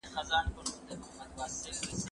زه پرون مېوې راټولې کړې،